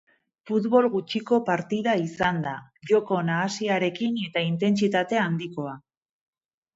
Futbol gutxiko partida izan da, joko nahasiarekin eta intentsitate handikoa.